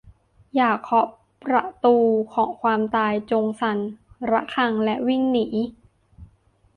อย่าเคาะประตูของความตาย จงสั่นระฆังและวิ่งหนี